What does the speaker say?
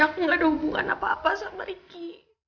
aku gak ada hubungan apa apa sama ricky